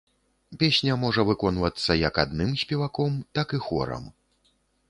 Песня можа выконвацца як адным спеваком, так і хорам.